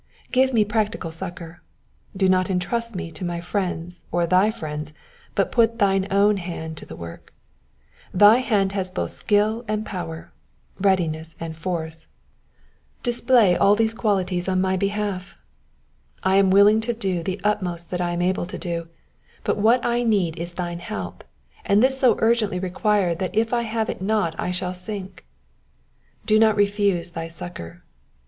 ^^ Give me practical succour. Do not entrust me to my friends or thy friends, but put thine own hand to the work. Thy hand has both skill and power, readiness and force : display all these Digitized by VjOOQIC 346 EXPOSITIOKS OF THE PSALMS. qualities on my behalf. I am 'willing to do the utmost that I am able to do ; but what I need is thine help, and this is so urgently required that if I have it not I shall sink. Do not refuse thy succour.